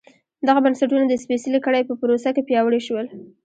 دغه بنسټونه د سپېڅلې کړۍ په پروسه کې پیاوړي شول.